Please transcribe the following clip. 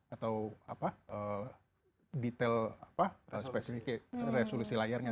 atau detail resolusi layarnya